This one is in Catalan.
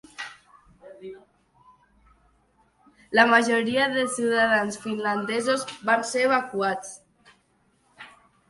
La majoria dels ciutadans finlandesos van ser evacuats.